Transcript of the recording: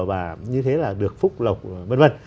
và như thế là được phúc lộc v v